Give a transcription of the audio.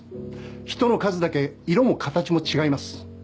人の数だけ色も形も違います